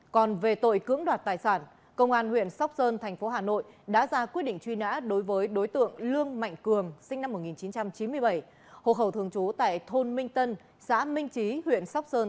còn về tội cưỡng đoạt tài sản công an huyện sóc sơn thành phố hà nội đã ra quyết định truy nã đối với đối tượng lương mạnh cường sinh năm một nghìn chín trăm chín mươi bảy hộ khẩu thường trú tại thôn minh tân